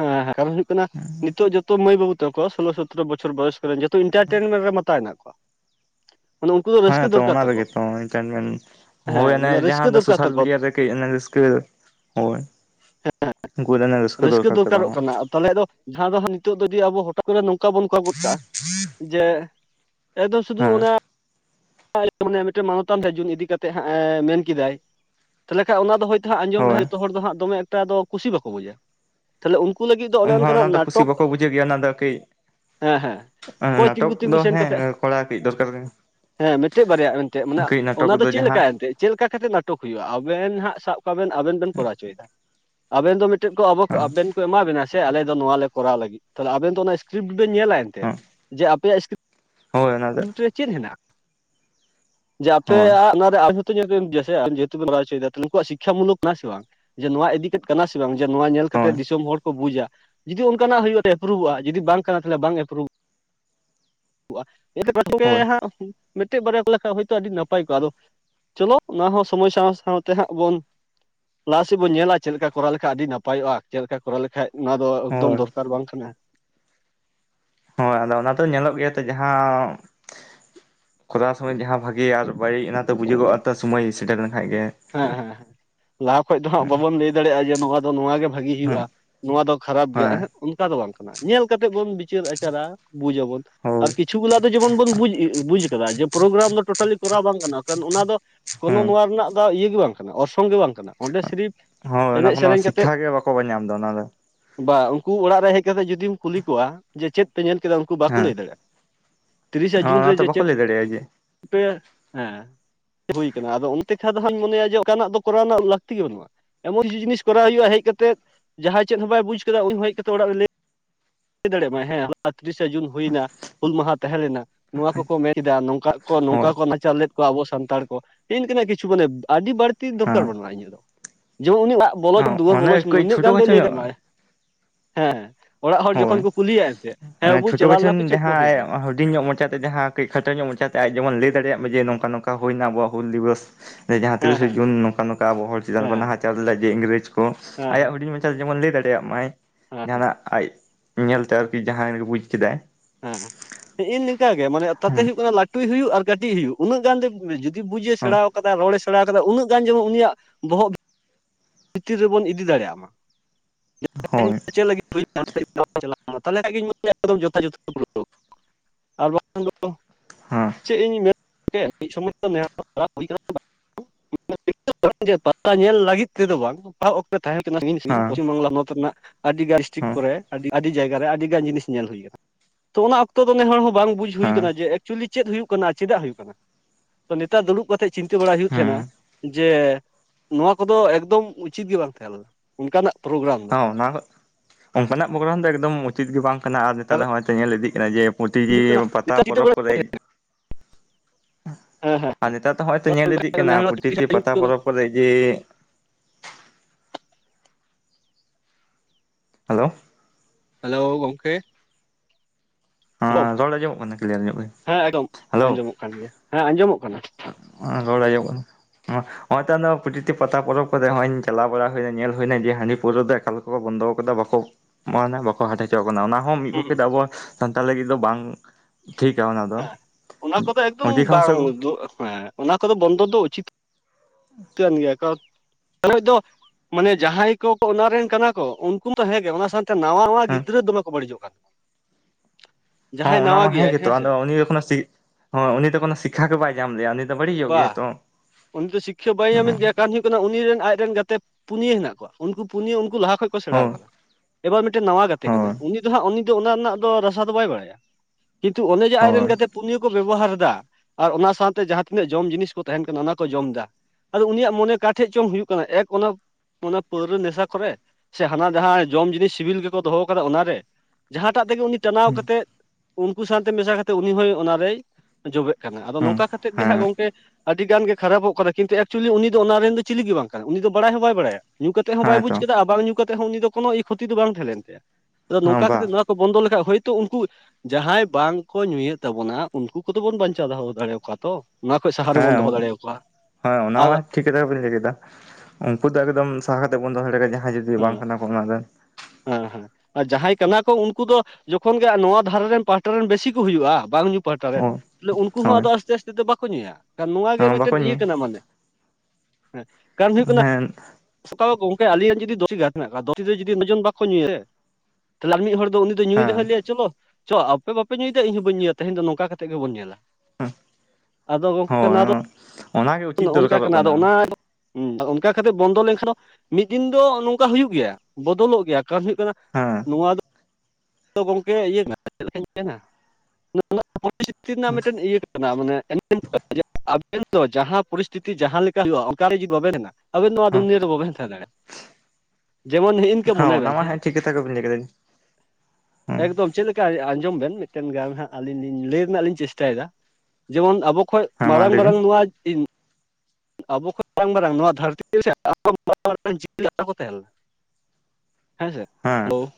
ᱦᱮᱸ ᱠᱟᱨᱚᱱ ᱦᱩᱭᱩᱜ ᱠᱟᱱᱟ ᱱᱤᱛᱚᱜ ᱡᱚᱛᱚ ᱢᱟᱹᱭ ᱵᱟᱹᱵᱩ ᱛᱟᱠᱚ ᱥᱳᱞᱳ-ᱥᱟᱛᱮᱨᱚ ᱵᱚᱪᱷᱚᱨ ᱵᱚᱭᱚᱥ ᱡᱚᱛᱚ ᱤᱱᱴᱟᱨᱴᱮᱱᱢᱮᱱᱴ ᱨᱮ ᱢᱟᱛᱟᱣ ᱦᱮᱱᱟᱜ ᱠᱚᱣᱟ᱾ ᱢᱟᱱᱮ ᱩᱱᱠᱩ ᱫᱚ ᱨᱟᱹᱥᱠᱟᱹ ᱦᱮᱸ ᱛᱚ ᱫᱚᱨᱠᱟᱨ ᱚᱱᱟ ᱛᱟᱠᱚ ᱨᱮᱜᱮ ᱛᱚ ᱦᱚᱸ-ᱚᱭ ᱛᱟᱦᱮᱱ ᱠᱟᱱ᱾ ᱦᱳᱭ ᱦᱮᱸ ᱚᱱᱮ ᱢᱟᱱᱮ ᱨᱟᱹᱥᱠᱟᱹ ᱡᱟᱦᱟᱸ ᱫᱚ ᱫᱚᱨᱠᱟᱨ ᱥᱳᱥᱟᱞ ᱛᱟᱠᱚ ᱢᱤᱰᱤᱭᱟ ᱨᱮ ᱠᱟᱹᱡ ᱚᱱᱮ ᱨᱟᱹᱥᱠᱟᱹ ᱦᱳᱭ <inaudible> <inaudible> ᱠᱟᱹ ᱫᱚᱨᱠᱟᱨᱚᱜ ᱦᱚᱸ ᱠᱟᱱᱟ ᱟᱨ ᱛᱟᱦᱚᱞᱮ ᱟᱫᱚ ᱡᱟᱦᱟᱸ ᱫᱚ ᱦᱟᱸᱜ ᱱᱤᱛᱚᱜ ᱫᱚ ᱡᱩᱫᱤ ᱟᱵᱚ ᱦᱚᱴᱟᱛ ᱠᱚᱨᱮ ᱱᱚᱝᱠᱟ ᱵᱚᱱ <unintelligible> ᱜᱚᱫ ᱠᱟᱜᱼᱟ ᱡᱮ ᱮᱠᱫᱚ ᱥᱩᱫᱷᱩ ᱦᱮᱸ ᱚᱱᱟ <unintelligible> ᱢᱟᱱᱮ ᱢᱤᱫᱴᱮᱱ ᱢᱟᱱᱚᱛᱟᱱ <unintelligible> ᱡᱩᱱ ᱤᱫᱤ ᱠᱟᱛᱮᱫ ᱦᱟᱸᱜ-ᱮ ᱢᱮᱱ ᱠᱮᱫᱟ ᱛᱟᱦᱚᱞᱮ ᱠᱷᱟᱱ ᱚᱱᱟ ᱫᱚ ᱦᱳᱭ ᱟᱸᱡᱚᱢ ᱨᱮᱜ ᱡᱚᱛᱚ ᱦᱳᱭ ᱦᱚᱲ ᱫᱚ ᱦᱟᱸᱜ ᱫᱚᱢᱮ ᱮᱠᱴᱟ ᱫᱚ ᱠᱩᱥᱤ ᱵᱟᱠᱚ ᱵᱩᱡᱟ᱾ ᱛᱟᱦᱚᱞᱮ ᱩᱱᱠᱩ ᱞᱟᱹᱜᱤᱫ ᱫᱚ ᱚᱱᱮ ᱚᱱᱟ ᱚᱱᱠᱟᱱᱟᱜ ᱫᱚ ᱠᱩᱥᱤ ᱱᱟᱴᱚᱠ ᱵᱟᱠᱚ ᱵᱩᱡᱷᱟᱹᱜ ᱜᱮᱭᱟ ᱚᱱᱟ ᱫᱚ ᱠᱟᱹᱡ ᱦᱮᱸ ᱦᱮᱸ ᱚᱠᱚᱭ ᱛᱤᱸᱜᱩ ᱛᱤᱸᱜᱩ ᱥᱮᱱ ᱠᱟᱛᱮᱜ ᱯᱟᱦᱟᱣ ᱠᱟᱹᱡ ᱫᱚᱨᱠᱟᱨ ᱠᱟᱱᱟ᱾ ᱦᱮᱸ ᱢᱤᱫᱴᱮᱡ ᱵᱟᱨᱭᱟ ᱮᱱᱛᱮᱫ ᱢᱟᱱᱮ ᱚᱱᱟ ᱫᱚ ᱪᱮᱫ ᱞᱮᱠᱟ ᱮᱱᱛᱮᱫ ᱪᱮᱫ ᱞᱮᱠᱟ ᱠᱟᱛᱮᱜ ᱱᱟᱴᱚᱠ ᱦᱩᱭᱩᱜᱼᱟ ᱟᱵᱮᱱ ᱦᱟᱜ ᱥᱟᱵ ᱠᱚ ᱟᱵᱮᱱ ᱟᱵᱮᱱ ᱵᱮᱱ ᱠᱚᱨᱟᱣ ᱦᱚᱪᱚᱭᱫᱟ ᱟᱵᱮᱱ ᱫᱚ ᱢᱤᱫᱴᱮᱱ ᱠᱚ ᱟᱵᱚᱠ ᱟᱵᱮᱱ ᱠᱚ ᱮᱢᱟ ᱵᱮᱱᱟ ᱥᱮ ᱟᱞᱮ ᱫᱚ ᱱᱚᱣᱟ ᱞᱮ ᱠᱚᱨᱟᱣ ᱞᱟᱹᱜᱤᱫ᱾ᱛᱟᱦᱞᱮ ᱟᱵᱮᱱ ᱫᱚ ᱚᱱᱟ ᱥᱠᱨᱤᱯᱴ ᱵᱮᱱ ᱧᱮᱞᱟ ᱮᱱᱛᱮᱫᱺ ᱡᱮ ᱟᱯᱮᱭᱟᱜ ᱥᱠᱨᱤᱯᱴ ᱦᱳᱭ ᱚᱱᱟ ᱫᱚ ᱪᱮᱫ ᱦᱮᱱᱟᱜᱼᱟ ᱡᱮ ᱦᱳᱭ ᱟᱯᱮᱭᱟᱜ ᱱᱚᱣᱟ ᱨᱮ <unintelligible> <unintelligible> ᱡᱮᱦᱮᱛᱩ ᱯᱮ ᱠᱚᱨᱟᱣ ᱦᱚᱪᱚᱭ ᱫᱟ ᱛᱟᱦᱚᱞᱮ ᱩᱱᱠᱩᱣᱟᱜ ᱥᱤᱠᱷᱟ ᱢᱩᱩᱞᱩᱠ ᱠᱟᱱᱟ ᱥᱮ ᱵᱟᱝᱡᱮ ᱱᱚᱣᱟ ᱤᱫᱤ ᱪᱮᱫ ᱠᱟᱱᱟ ᱥᱮ ᱵᱟᱝ ᱡᱮ ᱱᱚᱣᱟ ᱧᱮᱞ ᱠᱟᱛᱮᱜ ᱦᱳᱭ ᱫᱤᱥᱚᱢ ᱦᱚᱲ ᱠᱚ ᱵᱩᱡᱟ᱾ ᱡᱩᱫᱤ ᱚᱱᱠᱟᱱᱟᱜ ᱦᱩᱭᱩᱜᱼᱟ ᱮᱯᱨᱩᱵᱷᱚᱜᱼᱟ ᱡᱩᱫᱤ ᱵᱟᱝ ᱠᱟᱱᱟ ᱛᱟᱦᱚᱞᱮ ᱵᱟᱝ ᱮᱯᱨᱩᱵᱷ <unintelligible> ᱦᱳᱭ ᱦᱟᱸᱜ᱾ ᱢᱤᱫᱴᱮᱱ ᱵᱟᱨᱭᱟ ᱠᱚ ᱞᱮᱠᱷᱟ ᱦᱳᱭᱛᱳ ᱟᱹᱰᱤ ᱱᱟᱯᱟᱭ ᱠᱚᱜ-ᱟ ᱟᱫᱚ ᱪᱚᱞᱚ ᱱᱚᱣᱟ ᱦᱚᱸ ᱥᱚᱢᱚᱭ ᱥᱟᱶ ᱥᱟᱶᱛᱮ ᱦᱟᱸᱜ ᱵᱚᱱ ᱞᱟᱦᱟ ᱥᱮᱫ ᱵᱚᱱ ᱧᱮᱞᱟ ᱪᱮᱫ ᱞᱮᱠᱟ ᱠᱚᱨᱟᱣ ᱞᱮᱠᱷᱟᱡ ᱟᱹᱰᱤ ᱱᱟᱯᱟᱭᱚᱜᱼᱟ, ᱪᱮᱫᱞᱮᱠᱟ ᱠᱚᱨᱟᱣ ᱞᱮᱠᱷᱟᱡ ᱱᱚᱣᱟ ᱫᱚ ᱮᱠᱫᱚᱢ ᱦᱳᱭ ᱫᱚᱨᱠᱟᱨ ᱵᱟᱝ ᱠᱟᱱᱟ᱾ ᱦᱳᱭ ᱟᱫᱚ ᱚᱱᱟ ᱫᱚ ᱧᱮᱞᱚᱜ ᱜᱮᱭᱟ ᱛᱚ ᱡᱟᱦᱟᱸ ᱠᱚᱨᱟᱣ ᱥᱚᱢᱚᱭ ᱡᱟᱦᱟᱸ ᱵᱷᱟᱜᱮ ᱟᱨ ᱵᱟᱹᱲᱤᱡ ᱚᱱᱟᱛᱚ ᱵᱩᱡᱟᱹᱜᱚᱜ-ᱟ ᱛᱚ ᱥᱚᱢᱚᱭ ᱥᱮᱴᱮᱨ ᱞᱮᱱᱠᱷᱟᱡ ᱜᱮ᱾ ᱦᱮᱸ ᱦᱮᱸ ᱦᱮᱸ᱾ ᱞᱟᱦᱟ ᱠᱷᱚᱡᱽ ᱫᱚ ᱦᱟᱸᱜ ᱵᱟᱵᱚᱱ ᱞᱟᱹᱭ ᱫᱟᱲᱤᱭᱟᱜᱼᱟ ᱡᱮ ᱱᱚᱣᱟ ᱫᱚ ᱱᱚᱣᱟ ᱜᱮ ᱵᱷᱟᱜᱤ ᱦᱮᱸ ᱦᱩᱭᱩᱜᱼᱟ ᱱᱚᱣᱟ ᱫᱚ ᱠᱷᱟᱨᱟᱯ ᱜᱮᱭᱟ ᱦᱮᱸ ᱮᱸᱻᱦᱮᱜ᱾ ᱚᱱᱠᱟ ᱫᱚ ᱵᱟᱝ ᱠᱟᱱᱟ ᱧᱮᱞ ᱠᱟᱛᱮᱫ ᱵᱚᱱ ᱵᱤᱪᱟᱹᱨ ᱟᱪᱟᱨᱟ᱾ ᱵᱩᱡ ᱟᱵᱚᱱ ᱟᱨ ᱦᱳᱭ ᱠᱤᱪᱷᱩ ᱜᱩᱞᱟ ᱫᱚ ᱡᱮᱢᱚᱱ ᱵᱚᱱ ᱵᱩᱡ ᱵᱩᱡ ᱠᱟᱫᱟ ᱡᱮ ᱯᱨᱜᱮᱨᱟᱢ ᱫᱚ ᱴᱳᱴᱟᱞᱤ ᱠᱚᱨᱟᱣ ᱵᱟᱝ ᱜᱟᱱᱚᱜ-ᱟ ᱠᱷᱟᱱ ᱚᱱᱟ ᱫᱚ ᱠᱳᱱᱳ ᱦᱮᱸ ᱱᱚᱣᱟ ᱨᱮᱱᱟᱜ ᱫᱚ ᱤᱭᱟᱹ ᱜᱮ ᱵᱟᱝ ᱠᱟᱱᱟ, ᱚᱨᱥᱚᱝ ᱜᱮ ᱵᱟᱝ ᱠᱟᱱᱟ ᱚᱸᱰᱮ ᱥᱤᱨᱤᱯᱷ ᱦᱳᱭ ᱚᱱᱟ ᱠᱚᱱᱚ ᱥᱤᱠᱠᱷᱟ ᱜᱮ ᱵᱟᱠᱚ ᱧᱟᱢ ᱫᱟ ᱚᱱᱟ ᱨᱮ᱾ ᱵᱟ, ᱩᱱᱠᱩ ᱚᱲᱟᱜ ᱨᱮ ᱦᱮᱡ ᱠᱟᱛᱮᱫ ᱡᱩᱫᱤᱢ ᱠᱩᱞᱤ ᱠᱚᱣᱟ ᱡᱮ ᱪᱮᱫ ᱯᱮ ᱧᱮᱞ ᱠᱮᱫᱟ ᱩᱱᱠᱩ ᱵᱟᱠᱚ ᱦᱮᱸ ᱞᱟᱹᱭ ᱫᱟᱲᱮᱭᱟᱜᱼᱟ, ᱛᱤᱨᱤᱥᱟ ᱡᱩᱱ ᱨᱮ ᱚᱱᱟᱛᱮ ᱡᱮ ᱵᱟᱠᱚ ᱪᱮᱫ ᱞᱟᱹᱭ ᱫᱟᱲᱮᱭᱟᱜᱼᱟ ᱡᱮ ᱯᱮ ᱦᱮᱸ ᱦᱩᱭ ᱠᱟᱱᱟ ᱟᱫᱚ ᱚᱱᱛᱮ ᱟᱪᱷᱟ ᱫᱚ ᱦᱟᱸᱜ ᱤᱧ ᱢᱚᱱᱮᱭᱟ ᱡᱮ ᱚᱠᱟᱱᱟᱜ ᱫᱚ ᱠᱚᱨᱟᱣ ᱨᱮᱱᱟᱜ ᱞᱟᱹᱠᱛᱤ ᱜᱮ ᱵᱟᱹᱱᱩᱜᱼᱟ᱾ ᱮᱢᱚᱱ ᱡᱤ ᱡᱤᱱᱤᱥ ᱠᱚᱨᱟᱣ ᱦᱩᱭᱩᱜᱼᱟ ᱦᱮᱡ ᱠᱟ ᱠᱟᱛᱮᱫ ᱡᱟᱦᱟᱸᱭ ᱪᱮᱫ ᱦᱚᱸ ᱵᱟᱭ ᱵᱩᱡ ᱠᱟᱫᱟ ᱩᱱᱤ ᱦᱚᱸ ᱦᱮᱡ ᱠᱟᱛᱮ ᱚᱲᱟᱜ ᱨᱮ ᱞᱟᱹᱭ ᱫᱟᱲᱮᱭᱟᱜ ᱢᱟᱭ ᱦᱮᱸ ᱟ ᱛᱨᱤᱥᱮ ᱡᱩᱱ ᱦᱩᱭᱱᱟ, ᱦᱩᱞ ᱢᱟᱦᱟ ᱛᱟᱦᱮᱸ ᱞᱮᱱᱟ, ᱱᱚᱣᱟ ᱠᱚᱠᱚ ᱢᱮᱱ ᱮᱫᱟ, ᱱᱚᱝᱠᱟ ᱠᱚ ᱦᱳᱭ ᱱᱚᱝᱠᱟ ᱠᱚ ᱪᱟᱨ ᱞᱮᱫ ᱠᱚᱣᱟ ᱟᱵᱚ ᱥᱟᱱᱛᱟᱲ ᱠᱚ, ᱤᱱᱠᱟᱹᱱᱟᱜ ᱠᱤ ᱠᱤᱪᱷᱩ ᱢᱟᱱᱮ ᱟᱹᱰᱤ ᱵᱟᱹᱲᱛᱤ ᱫᱚᱨᱠᱟᱨ ᱦᱮᱸ ᱵᱟᱱᱩᱜᱼᱟ ᱤᱧᱟᱹᱜ ᱫᱚ, ᱡᱮᱢᱚᱱ ᱩᱱᱤ ᱵᱚᱞᱚ ᱫᱩ ᱫᱩᱣᱟᱹᱨ ᱚᱱᱮ ᱵᱚᱞᱚ ᱪᱩ ᱠᱟᱹᱡ ᱩᱱᱟᱹᱜ ᱪᱷᱳᱴᱳ ᱜᱟᱱ ᱫᱚᱭ ᱠᱷᱟᱴᱳ ᱞᱟᱹᱭ ᱧᱚᱜ ᱫᱟᱲᱮᱜ ᱢᱟᱭ ᱦᱮᱸ᱾ ᱚᱲᱟᱜ ᱦᱚᱲ ᱦᱳᱭ ᱡᱚᱠᱷᱚᱱ ᱠᱚ ᱠᱩᱞᱤᱭᱟ ᱮᱱᱛᱮᱫ, ᱦᱮᱸ ᱵᱟᱵᱩ ᱪᱟᱞᱟᱣ ᱞᱮᱱᱟ ᱯᱮ ᱪᱮᱫ ᱠᱚ ᱦᱩᱭᱮᱱᱟ? ᱥᱤᱧ ᱧᱚᱜ ᱢᱚᱪᱟ ᱛᱮ ᱡᱟᱦᱟᱸ ᱠᱟᱹᱡ ᱠᱷᱟᱴᱚ ᱧᱚᱜ ᱢᱚᱪᱟ ᱛᱮ ᱟᱡ ᱡᱮᱢᱚᱱ ᱫᱟᱲᱮᱭᱟᱜ ᱢᱟ ᱡᱮ ᱱᱚᱝᱠᱟ ᱱᱚᱝᱠᱟ ᱦᱩᱭᱮᱱᱟ ᱟᱵᱚᱣᱟᱜ ᱦᱩᱞ ᱫᱤᱵᱚᱥ᱾ ᱮᱸ ᱡᱟᱦᱟᱸ ᱦᱮᱸ ᱛᱤᱨᱤᱥᱮ ᱦᱮᱸ ᱡᱩᱱ ᱱᱚᱝᱠᱟ ᱱᱚ ᱠᱟ ᱟᱵᱚ ᱦᱚᱲ ᱪᱮᱛᱟᱱ ᱠᱚ ᱦᱮᱸ ᱱᱟᱦᱟᱪᱟᱨ ᱞᱮᱫᱟ ᱡᱮ ᱤᱝᱨᱮᱡᱽ ᱠᱚ, ᱦᱮᱸ ᱟᱭᱟᱜ ᱦᱮᱸ ᱦᱩᱰᱤᱧ ᱢᱟᱪᱷᱟ ᱛᱮ ᱡᱮᱢᱚᱱ ᱞᱟᱹᱭ ᱫᱟᱲᱮᱭᱟᱜ ᱢᱟᱭ ᱦᱮᱸ ᱦᱮᱸ ᱡᱟᱦᱟᱱᱟᱜ ᱟᱡ ᱧᱮᱞᱛᱮ ᱟᱨᱠᱤ ᱡᱟᱦᱟᱸᱭ ᱵᱩᱡ ᱠᱮᱫᱟᱭ᱾ ᱦᱮᱸ ᱤᱧ ᱞᱮᱠᱟ ᱜᱮ ᱢᱟᱱᱮ ᱛᱟᱛᱮ ᱦᱮᱸ ᱦᱩᱭᱩᱜ ᱠᱟᱱᱟ ᱞᱟᱹᱴᱩᱭ ᱦᱩᱭᱩᱜ ᱟᱨ ᱠᱟᱹᱴᱤᱡ ᱦᱩᱭᱩᱜ ᱩᱱᱟᱹᱜ ᱜᱟᱱ ᱫᱚᱭ ᱵᱩᱡ ᱫᱤ ᱵᱩᱡ-ᱮ ᱥᱮᱬᱟᱣ ᱠᱟᱫᱟ ᱨᱚᱲᱮ ᱥᱮᱬᱟ ᱠᱟᱫᱟ ᱩᱱᱟᱹᱜ ᱜᱟᱱ ᱡᱮᱢᱚᱱ ᱩᱱᱤᱭᱟᱜ ᱵᱚᱦᱚᱜ ᱵᱷᱤᱛᱤᱨ ᱨᱮᱵᱚᱱ ᱤᱫᱤ ᱫᱟᱲᱮᱭᱟᱜ ᱢᱟ ᱦᱳᱭ <inaudible> ᱪᱮᱫ ᱞᱟᱜᱤᱫ <inaudible> ᱟᱨ ᱵᱟᱝᱠᱷᱟᱱ ᱫᱚ ᱦᱮᱸ᱾ ᱪᱮᱫ ᱤᱧ ᱢᱮᱱ ᱠᱮᱫ ᱢᱤᱫ ᱥᱚᱢᱚᱭ ᱫᱚ <inaudible> <unintelligible> ᱯᱟᱛᱟ ᱧᱮᱞ ᱞᱟᱹᱜᱤᱫ ᱛᱮᱫᱚ ᱵᱟᱝ ᱚᱠᱟ ᱚᱠᱛᱮ ᱛᱟᱦᱮᱸ ᱠᱟᱱᱟ ᱥᱟᱺᱜᱤᱧ ᱥᱟᱺᱜᱤᱧ ᱦᱮᱸ ᱯᱚᱥᱪᱤᱢ ᱵᱟᱝᱞᱟ ᱯᱚᱱᱚᱛ ᱨᱮᱱᱟᱜ ᱟᱹᱰᱤ ᱜᱟᱱ ᱰᱤᱥᱴᱤᱠ ᱦᱮᱸ ᱠᱚᱨᱮ᱾ ᱟᱹᱰᱤ ᱟᱹᱰᱤ ᱡᱟᱭᱜᱟ ᱨᱮ ᱟᱹᱰᱤᱜᱟᱱ ᱡᱤᱱᱤᱥ ᱧᱮᱞ ᱦᱩᱭ ᱠᱟᱱᱟ, ᱛᱚ ᱚᱱᱟ ᱚᱠᱛᱚ ᱫᱚ ᱱᱮ ᱦᱚᱲ ᱦᱚᱸ ᱵᱟᱝ ᱵᱩᱡᱽ ᱦᱩᱭ ᱦᱮᱸ ᱠᱟᱱᱟ ᱡᱮ ᱮᱠᱪᱩᱞᱤ ᱪᱮᱫ ᱦᱩᱭᱩᱜ ᱠᱟᱱᱟ ᱪᱮᱫᱟᱜ ᱦᱩᱭᱩᱜ ᱠᱟᱱᱟ, ᱛᱚ ᱱᱮᱛᱟᱨ ᱫᱩᱲᱩᱵ ᱠᱟᱛᱮᱜ ᱪᱤᱱᱛᱟᱹ ᱵᱟᱲᱟᱭ ᱦᱩᱭᱩᱜ ᱛᱟᱦᱮᱱᱟ ᱦᱮᱸ ᱡᱮ ᱱᱚᱣᱟ ᱠᱚᱫᱚ ᱮᱠᱫᱚᱢ ᱩᱪᱤᱛ ᱜᱮ ᱵᱟᱝ ᱛᱟᱦᱮᱸ ᱞᱮᱱᱟ᱾ ᱚᱱᱠᱟᱱᱟᱜ ᱯᱨᱳ ᱦᱚᱸ ᱚᱱᱟᱦᱚᱸ ᱚᱱᱠᱟᱱᱟᱜ ᱯᱨᱳᱜᱨᱟᱢ ᱫᱚ ᱮᱠᱫᱚᱢ ᱩᱪᱤᱛ ᱜᱮ ᱵᱟᱝ ᱠᱟᱱᱟ ᱟᱨ ᱱᱮᱛᱟᱨ ᱫᱚ ᱠᱟᱨᱚᱱ ᱦᱚᱸᱜ-ᱚᱭ ᱛᱚ ᱧᱮᱞ ᱤᱫᱤᱜ ᱠᱟᱱᱟ ᱡᱮ ᱦᱩᱭᱩᱜ <unintelligible> ᱠᱟᱱᱟ ᱮᱵᱚᱝ ᱯᱟᱛᱟ ᱱᱮᱛᱟᱨ ᱪᱤᱱᱛᱟᱹ ᱯᱚᱨᱚᱵᱽ ᱵᱟᱲᱟ ᱠᱚᱨᱮ ᱦᱮᱸ ᱟᱨ ᱱᱮᱛᱟᱨ ᱫᱚ ᱦᱚᱸᱜᱼᱚᱭ ᱛᱚ ᱧᱮᱞ ᱤᱫᱤᱜ ᱠᱟᱱᱟ ᱦᱮᱸ ᱯᱨᱚᱛᱤᱴᱤ ᱯᱟᱛᱟ ᱯᱚᱨᱚᱵᱽ ᱠᱚᱨᱮ ᱜᱮ ᱦᱮᱞᱳ᱾ ᱦᱮᱞᱳ ᱜᱚᱝᱠᱮ᱾ ᱦᱮᱞᱳ ᱦᱮᱸ ᱨᱚᱲ ᱟᱸᱡᱚᱢᱚᱜ ᱠᱟᱱᱟ ᱠᱞᱤᱭᱟᱨ ᱧᱚᱜ ᱜᱮ, ᱦᱮᱸ ᱮᱠᱫᱚᱢ ᱦᱮᱞᱳ᱾ ᱟᱸᱡᱚᱢᱚᱜ ᱠᱟᱱ ᱜᱮᱭᱟ ᱦᱮᱸ ᱟᱸᱡᱚᱢᱚᱜ ᱠᱟᱱᱟ ᱨᱚᱲ ᱟᱸᱡᱚᱢᱚᱜ ᱠᱟᱱᱟ ᱱᱚᱣᱟ ᱦᱚᱸᱜᱼᱚᱭ ᱛᱚ ᱟᱫᱚ ᱯᱨᱚᱛᱤᱴᱤ ᱯᱟᱛᱟ ᱯᱚᱨᱚᱵᱽ ᱠᱚᱨᱮ ᱦᱚᱸᱜ-ᱚᱭᱤᱧ ᱪᱟᱞᱟᱣ ᱵᱟᱲᱟ ᱦᱩᱭᱱᱟ ᱧᱮᱞ ᱦᱩᱭᱱᱟ ᱡᱮ ᱦᱟᱺᱰᱤ ᱯᱟᱹᱣᱨᱟᱹ ᱫᱚ ᱮᱠᱟᱞ ᱠᱚ ᱵᱚᱱᱫᱚ ᱟᱠᱟᱫᱟ ᱵᱟᱠᱚ ᱢᱟ ᱵᱟᱠᱚ ᱦᱟᱴ ᱦᱚᱪᱚᱣᱟᱜ ᱠᱟᱱᱟ ᱚᱱᱟᱦᱚᱸ ᱢᱤᱫ ᱦᱩᱸ ᱜᱚᱴᱮᱮᱡ ᱟᱵᱚᱣᱟᱜ ᱥᱟᱱᱛᱟᱲ ᱞᱟᱹᱜᱤᱫ ᱫᱚ ᱵᱟᱝ ᱴᱷᱤᱠᱟ ᱚᱱᱟ ᱫᱚ ᱦᱮᱸ ᱚᱱᱟ ᱠᱚᱫᱚ ᱮᱠᱫᱚᱢ ᱵᱟᱝ ᱫᱩᱜ ᱦᱮᱸ ᱚᱱᱟ ᱠᱚᱫᱚ ᱵᱚᱱᱫᱚ ᱫᱚ ᱩᱪᱤᱛ ᱠᱟᱱ ᱜᱮᱭᱟ ᱠᱟ ᱛᱟᱦᱞᱮ ᱫᱚ ᱢᱟᱱᱮ ᱡᱟᱦᱟᱸᱭ ᱠᱚ ᱚᱱᱟ ᱨᱮᱱ ᱠᱟᱱᱟ ᱠᱚ ᱩᱱᱠᱩ ᱛᱚ ᱦᱮᱸᱜᱮ ᱚᱱᱟ ᱥᱟᱶ ᱱᱟᱣᱟ ᱱᱟᱣᱟ ᱜᱤᱫᱽᱨᱟᱹ ᱫᱚᱢᱮ ᱠᱚ ᱵᱟᱹᱲᱤᱡᱚᱜ ᱠᱟᱱ ᱦᱮᱸ ᱚᱱᱟ ᱢᱟ ᱦᱮᱸ ᱜᱮᱛᱚ ᱦᱮᱸᱥᱮ ᱟᱫᱚ ᱩᱱᱤ ᱠᱷᱚᱱᱟᱜ ᱥᱤᱜ ᱦᱚᱭ ᱩᱱᱤ ᱫᱚ ᱠᱚᱱᱚ ᱥᱤᱠᱷᱟ ᱜᱮ ᱵᱟᱭ ᱧᱟᱢ ᱞᱮᱭᱟ ᱩᱱᱤ ᱫᱚ ᱵᱟᱹᱲᱤᱡᱚᱜ ᱵᱟ ᱜᱮᱭᱟᱭ ᱛᱚ ᱩᱱᱤ ᱫᱚ ᱥᱤᱠᱠᱷᱟ ᱵᱟᱭ ᱧᱟᱢᱮᱫ ᱜᱮᱭᱟ ᱠᱟᱨᱚᱱ ᱦᱩᱭ ᱠᱟᱱᱟ ᱩᱱᱤ ᱨᱮᱱ ᱟᱡᱨᱮ ᱨᱮᱱ ᱜᱟᱛᱮ ᱯᱩᱱᱭᱟᱹ ᱦᱮᱱᱟᱜ ᱠᱚᱣᱟ ᱩᱱᱠᱩ ᱯᱩᱱᱭᱟᱹ ᱩᱱᱠᱩ ᱞᱟᱦᱟ ᱠᱷᱚᱡ ᱠᱚ ᱥᱮᱬᱟ ᱦᱳᱭ ᱟᱠᱟᱫᱟ ᱮᱵᱟᱨ ᱢᱤᱫᱴᱮᱱ ᱱᱟᱣᱟ ᱜᱟᱛᱮ ᱠᱟᱱᱟᱭ ᱦᱳᱭ ᱩᱱᱤ ᱫᱚ ᱦᱟᱸᱜ ᱩᱱᱤ ᱫᱚ ᱚᱱᱟ ᱨᱮᱱᱟᱜ ᱫᱚ ᱨᱟᱥᱟ ᱫᱚ ᱵᱟᱭ ᱵᱟᱲᱟᱭᱟ᱾ ᱠᱤᱱᱛᱩ ᱚᱱᱮ ᱡᱮ ᱟᱡᱨᱮᱱ ᱦᱳᱭ ᱜᱟᱛᱮ ᱯᱩᱱᱭᱟᱹ ᱠᱚ ᱵᱮᱵᱚᱦᱟᱨ ᱮᱫᱟ᱾ ᱟᱨ ᱚᱱᱟ ᱥᱟᱶᱛᱮ ᱡᱟᱦᱟᱸ ᱛᱤᱱᱟᱹᱜ ᱡᱚᱢ ᱡᱤᱱᱤᱥ ᱠᱚ ᱛᱟᱦᱮᱱ ᱠᱟᱱᱟ ᱚᱱᱟ ᱠᱚ ᱡᱚᱢ ᱮᱫᱟ, ᱟᱫᱚ ᱩᱱᱤᱭᱟᱜ ᱢᱚᱱᱮ ᱚᱠᱟ ᱴᱷᱮᱡ ᱪᱚᱝ ᱦᱩᱭᱩᱜ ᱠᱟᱱᱟ ᱮᱠ ᱚᱱᱟ ᱚᱱᱟ ᱯᱟᱹᱣᱨᱟᱹ ᱱᱮᱥᱟ ᱠᱚᱨᱮ ᱥᱮ ᱦᱟᱱᱟ ᱡᱟᱦᱟᱸ ᱡᱚᱢ ᱡᱤᱱᱤᱥ ᱥᱤᱵᱤᱞ ᱜᱮᱠᱚ ᱫᱚᱦᱚ ᱟᱠᱟᱫᱟ ᱚᱱᱟᱨᱮ ᱡᱟᱦᱟᱸᱴᱟᱜ ᱛᱮᱜᱮ ᱩᱱᱤ ᱴᱟᱱᱟᱣ ᱦᱮᱸ ᱠᱟᱛᱮᱫ ᱩᱱᱠᱩ ᱥᱟᱶᱛᱮ ᱢᱮᱥᱟ ᱠᱟᱛᱮᱫ ᱩᱱᱤ ᱦᱚᱸᱭ ᱚᱱᱟᱫᱚᱭ ᱡᱚᱵᱮᱜ ᱠᱟᱱᱟ ᱟᱫᱚ ᱱᱚᱝᱠᱟ ᱠᱟᱛᱮᱫ ᱜᱮ ᱦᱟᱸᱜ ᱦᱮᱸ ᱜᱚᱢᱠᱮ ᱟᱹᱰᱤ ᱜᱟᱱ ᱜᱮ ᱠᱷᱟᱨᱟᱵᱚᱜ ᱠᱟᱱᱟ ᱠᱤᱱᱛᱩ ᱮᱠᱪᱩᱞᱤ ᱩᱱᱤ ᱫᱚ ᱚᱱᱟ ᱨᱮᱱ ᱫᱚ ᱪᱤᱞᱤ ᱜᱮ ᱵᱟᱝ ᱠᱟᱱᱟᱭ ᱩᱱᱤ ᱫᱚ ᱵᱟᱲᱟᱭ ᱦᱚᱸ ᱵᱟᱭ ᱵᱟᱲᱟᱭᱟ ᱧᱩ ᱠᱟᱛᱮᱫ ᱦᱚᱸ ᱦᱮᱸ ᱵᱩᱡᱽ ᱛᱚ ᱠᱮᱫᱟ ᱟᱨ ᱵᱟᱝ ᱧᱩ ᱠᱟᱛᱮᱫ ᱦᱚᱸ ᱩᱱᱤ ᱫᱚ ᱠᱚᱱᱚ ᱠᱷᱩᱛᱤ ᱫᱚ ᱵᱟᱝ ᱛᱟᱦᱮᱸ ᱞᱮᱱ ᱛᱟᱭᱟ ᱟᱫᱚ ᱦᱮᱸ ᱱᱚᱝᱠᱟ ᱠᱟᱛᱮᱫ ᱵᱟ ᱱᱚᱣᱟ ᱠᱚ ᱵᱚᱱᱫᱚ ᱞᱮᱠᱷᱟᱱ ᱦᱚᱭᱛᱚ ᱩᱱᱠᱩ ᱡᱟᱦᱟᱸᱭ ᱵᱟᱝᱠᱚ ᱧᱩᱭᱮᱫ ᱛᱟᱵᱚᱱᱟ ᱩᱱᱠᱩ ᱠᱚᱫᱚ ᱵᱚᱱ ᱵᱟᱧᱪᱟᱣ ᱫᱚᱦᱚ ᱫᱟᱲᱮᱭᱟᱠᱚᱣᱟ ᱛᱚ ᱚᱱᱟ ᱠᱷᱚᱡ ᱥᱟᱦᱟ ᱨᱮᱵᱚᱱ ᱫᱚᱦᱚ ᱦᱮᱸ ᱫᱟᱲᱮ ᱟᱠᱚᱣᱟ ᱦᱮᱸ ᱚᱱᱟ ᱢᱟ ᱴᱷᱤᱠ ᱠᱟᱛᱷᱟ ᱜᱮᱵᱮᱱ ᱞᱟᱹᱭ ᱠᱮᱫᱟ ᱩᱱᱠᱩ ᱫᱚ ᱮᱠᱫᱚᱢ ᱥᱟᱦᱟ ᱠᱟᱛᱮᱫ ᱵᱚᱱ ᱫᱚᱦᱚ ᱫᱟᱲᱮ ᱡᱟᱦᱟᱸᱭ ᱡᱩᱫᱤ ᱡᱮ ᱦᱮᱸ ᱵᱟᱝ ᱠᱟᱱᱟᱠᱚ ᱚᱱᱟ ᱨᱮᱱ ᱦᱮᱸ ᱦᱮᱸ ᱟᱨ ᱡᱟᱦᱟᱸᱭ ᱠᱟᱱᱟ ᱠᱚ ᱩᱱᱠᱩ ᱫᱚ ᱡᱚᱠᱷᱚᱱ ᱜᱮ ᱱᱚᱣᱟ ᱫᱷᱟᱨᱮ ᱨᱮᱱ ᱯᱟᱦᱴᱟ ᱨᱮᱱ ᱵᱮᱥᱤ ᱠᱚ ᱦᱩᱭᱩᱜ-ᱟ ᱵᱟᱝᱼᱼ ᱯᱟᱦᱴᱟ ᱨᱮᱱ ᱦᱳᱭ ᱩᱱᱠᱩ ᱦᱚᱸ ᱟᱫᱚ ᱟᱥᱛᱮ ᱟᱥᱛᱮ ᱫᱚ ᱵᱟᱠᱚ ᱧᱩᱭᱟ ᱠᱷᱟᱱ ᱱᱚᱶᱟ ᱜᱮ ᱵᱟᱠᱚ ᱢᱤᱫᱴᱮᱱ ᱤᱭᱟᱹ ᱧᱮ ᱠᱟᱱᱟ ᱢᱟᱱᱮᱼᱼ ᱦᱮᱸ ᱠᱟᱨᱚᱱ ᱦᱩᱭᱩᱜ ᱠᱟᱱᱟ ᱦᱮᱸ ᱚᱠᱟ ᱜᱚᱢᱠᱮ ᱟᱞᱤᱧᱮᱱ ᱡᱩᱫᱤ ᱫᱚᱥᱤ ᱜᱷᱟᱛ ᱢᱮᱱᱟᱜ ᱠᱚᱣᱟ ᱫᱚᱥᱤ ᱨᱮ ᱡᱩᱫᱤ ᱱᱚᱡᱚᱱ ᱵᱟᱠᱚ ᱧᱩᱭᱟ ᱛᱟᱦᱚᱞᱮ ᱟᱨ ᱢᱤᱫ ᱦᱚᱲ ᱫᱚ ᱩᱱᱤ ᱧᱩᱭ ᱦᱮᱸ ᱨᱮᱦᱚᱸ ᱞᱟᱹᱭᱟ ᱪᱚᱞᱚ ᱪᱚ ᱟᱯᱮ ᱵᱟᱯᱮ ᱧᱩᱭᱮᱫᱟ ᱤᱧ ᱦᱚᱸ ᱵᱟᱹᱧ ᱧᱩᱭᱟ ᱛᱮᱦᱮᱧ ᱫᱚ ᱱᱚᱝᱠᱟ ᱠᱟᱛᱮᱜ ᱜᱮᱵᱚᱱ ᱧᱮᱞᱟ᱾ ᱟᱫᱚ ᱜᱚᱢᱠᱮ ᱱᱚᱣᱟ ᱫᱚ ᱦᱳᱭ ᱚᱱᱟᱜᱮ ᱱᱚᱜ ᱩᱪᱤᱛ ᱚᱝᱠᱟ ᱫᱚᱨᱠᱟᱨᱚᱜ ᱠᱟᱱᱟ ᱟᱫᱚ ᱚᱱᱟ ᱦᱮᱸ ᱚᱱᱠᱟ ᱠᱟᱛᱮᱫ ᱵᱚᱱᱫᱚ ᱞᱮᱱᱠᱷᱟᱱ ᱫᱚ ᱢᱤᱫ ᱫᱤᱱ ᱫᱚ ᱱᱚᱝᱠᱟ ᱦᱩᱭᱩᱜ ᱜᱮᱭᱟ ᱵᱚᱫᱚᱞᱚᱜ ᱜᱮᱭᱟ ᱠᱟᱨᱚᱱ ᱦᱩᱭᱩᱜ ᱠᱟᱱᱟ ᱦᱮᱸ, ᱱᱚᱣᱟ ᱫᱚ ᱜᱚᱢᱠᱮ ᱤᱭᱟᱹ ᱪᱮᱫ ᱞᱮᱠᱟᱧ ᱢᱮᱱᱟ, <unintelligible> ᱨᱮᱱᱟᱜ ᱢᱤᱫᱴᱮᱱ ᱤᱭᱟᱹ ᱠᱟᱱᱟ ᱢᱟᱱᱮ ᱢᱮᱱ ᱫᱚ ᱡᱟᱦᱟᱸ ᱯᱚᱨᱤᱥᱛᱷᱤᱛᱤ ᱡᱟᱦᱟᱸ ᱞᱮᱠᱟ ᱦᱩᱭᱩᱜᱼᱟ ᱚᱱᱠᱟ ᱨᱮ ᱡᱩᱫᱤ ᱵᱟᱵᱮᱱ ᱛᱟᱦᱮᱱᱟ, ᱟᱵᱮᱱ ᱱᱚᱣᱟ ᱫᱩᱱᱭᱟᱹ ᱨᱮ ᱵᱟᱵᱮᱱ ᱛᱟᱦᱮᱸ ᱫᱟᱲᱮᱭᱟᱜᱼᱟ ᱡᱮᱢᱚᱱ ᱦᱮᱸ ᱤᱱᱠᱟᱹ ᱢᱚᱱᱮᱭ ᱵᱮᱱ ᱦᱮᱸ, <unintelligible> ᱦᱮᱸ ᱮᱠᱫᱚᱢ ᱪᱮᱫ ᱞᱮᱠᱟ ᱟᱸᱡᱚᱢ ᱵᱮᱱ ᱢᱤᱫᱴᱮᱱ ᱜᱟᱱ ᱦᱟᱸᱜ ᱟᱹᱞᱤᱧ ᱞᱤᱧ ᱞᱟᱹᱭ ᱨᱮᱱᱟᱜ ᱞᱤᱧ ᱪᱮᱥᱴᱟᱭᱮᱫᱟ, ᱡᱮᱢᱚᱱ ᱟᱵᱚ ᱠᱷᱚᱱᱚᱡ ᱦᱮᱸ ᱢᱟ ᱢᱟᱨᱟᱝ ᱞᱟᱹᱭ ᱵᱤᱱ ᱢᱟᱨᱟᱝ ᱱᱚᱣᱟ ᱫᱤᱱ ᱟᱵᱚ ᱠᱷᱚᱱ ᱢᱟᱨᱟᱝ ᱢᱟᱨᱟᱝ ᱱᱚᱣᱟ ᱫᱷᱟᱹᱨᱛᱤ ᱨᱮᱥᱮ <unintelligible> ᱠᱚ ᱛᱟᱦᱮᱸ ᱞᱮᱱᱟ ᱦᱮᱸ ᱥᱮ ᱦᱮᱸ ᱦᱮᱞᱳ,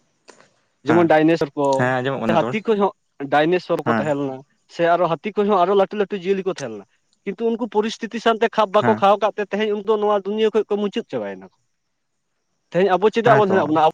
ᱦᱮᱸ ᱡᱮᱢᱚᱱ ᱰᱟᱭᱱᱮᱥᱚᱨ ᱠᱚ ᱦᱮᱸ ᱟᱸᱡᱚᱢᱚᱜ ᱠᱟᱱᱟ ᱨᱚᱲ ᱦᱟᱹᱛᱤ ᱠᱚ ᱦᱚᱸ ᱰᱟᱭᱱᱮᱥᱚᱨ ᱠᱚ ᱦᱮᱸ ᱛᱟᱦᱮᱸ, ᱥᱮ ᱟᱨᱦᱚᱸ ᱦᱟᱹᱛᱤ ᱠᱷᱚᱱ ᱦᱚᱸ ᱟᱨᱚ ᱞᱟᱹᱴᱩ ᱞᱟᱹᱴᱩ ᱡᱤᱭᱟᱹᱞᱤ ᱠᱚ ᱛᱟᱦᱮᱸ ᱞᱮᱱᱟ ᱠᱤᱱᱛᱩ ᱩᱱᱠᱩ ᱯᱚᱨᱤᱥᱛᱷᱤᱛᱤ ᱥᱟᱶᱛᱮ ᱠᱷᱟᱯ ᱵᱟᱠᱚ ᱦᱮᱸ ᱠᱷᱟᱣᱟᱣ ᱟᱠᱟᱫ ᱛᱮ ᱛᱮᱦᱮᱧ ᱩᱱᱠᱩ ᱫᱚ ᱱᱚᱣᱟ ᱫᱩᱱᱭᱟᱹ ᱠᱷᱚᱱ ᱠᱚ ᱢᱩᱪᱟᱹᱫ ᱪᱟᱵᱟᱭᱮᱱᱟ ᱠᱚ ᱛᱮᱦᱮᱧ ᱟᱵᱚ ᱪᱮᱫᱟᱜ ᱦᱮᱸ ᱵᱚᱱ ᱛᱚ ᱦᱮᱱᱟᱜ ᱵᱚᱱᱟ